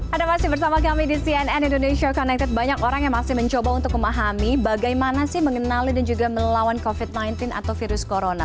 ada masih bersama kami di cnn indonesia connected banyak orang yang masih mencoba untuk memahami bagaimana sih mengenali dan juga melawan covid sembilan belas atau virus corona